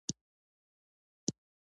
زموږ پکتیکاوالو لهجه ډېره خوژه ده.